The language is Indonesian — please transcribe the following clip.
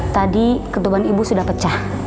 tadi ketuban ibu sudah pecah